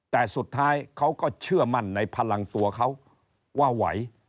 แต่สุดท้ายเขาก็เชื่อมั่นในพลังตัวเขาว่าไหว